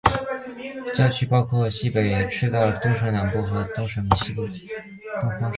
教区包括该国西北部赤道省东部和东方省西部。